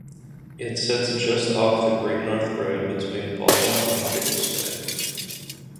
It sits just off the Great North Road between Baldock and Biggleswade.